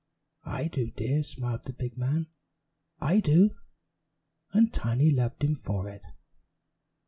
"I do, dear," smiled the big man. "I do!" and Tiny loved him for it.